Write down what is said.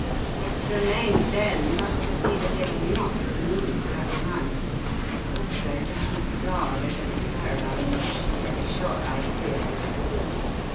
It remained then but to see that they were not removed that night, and also to keep guard over the caravan, which you may be sure I did.